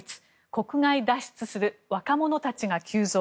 国外脱出する若者たちが急増。